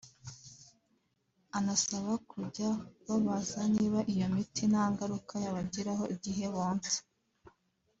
anasaba kujya babaza niba iyo miti nta ngaruka yabagiraho igihe bonsa